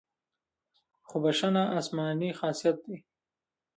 خو بښنه آسماني خاصیت دی.